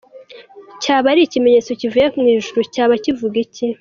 Cyaba ari ikimenyetso kivuye mu ijuru? cyaba kivuga iki?.